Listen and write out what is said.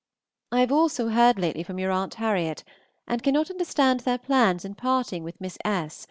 I have also heard lately from your Aunt Harriot, and cannot understand their plans in parting with Miss S.